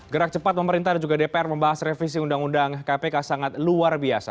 gerak cepat pemerintah dan juga dpr membahas revisi undang undang kpk sangat luar biasa